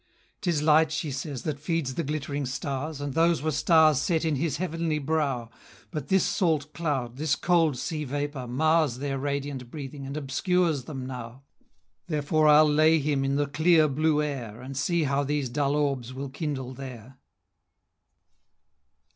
"'Tis light," she says, "that feeds the glittering stars, And those were stars set in his heavenly brow; But this salt cloud, this cold sea vapor, mars Their radiant breathing, and obscures them now; Therefore I'll lay him in the clear blue air, And see how these dull orbs will kindle there."